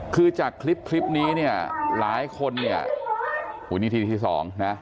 คือจากคลิปนี้หลายคนอุ๊ยนี่ทีหนึ่งทีสอง